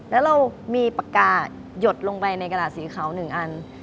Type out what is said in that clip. แล้วเรามีปากกาศหยดลงไปในกระดาษสีขาว๑อัน